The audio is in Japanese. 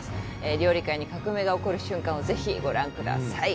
料理界に革命が起こる瞬間をぜひご覧ください！